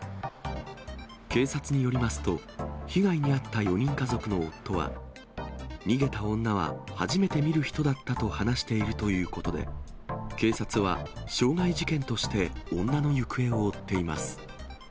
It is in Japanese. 警察によりますと、被害に遭った４人家族の夫は、逃げた女は初めて見る人だったと話しているということで、警察は傷害事件として、女の行方を追っています。